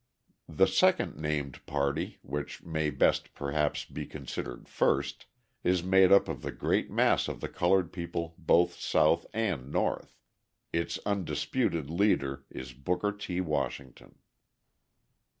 The second named party, which may best, perhaps, be considered first, is made up of the great mass of the coloured people both South and North; its undisputed leader is Booker T. Washington.